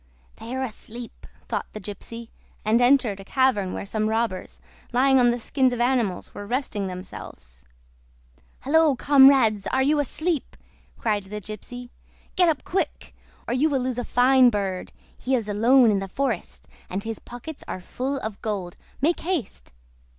"They are asleep," thought the gypsy, and entered a cavern where some robbers, lying on the skins of animals, were resting themselves. "Halloa, comrades! Are you asleep?" cried the gypsy. "Get up, quick! or you will lose a fine bird. He is alone in the forest, and his pockets are full of gold. Make haste!"